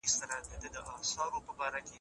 او څه بایللی له څټکه د درواغجنې خپلواکۍ په نامه